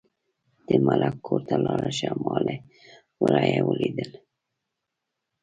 د ملک کور ته لاړه شه، ما له ورايه ولیدل.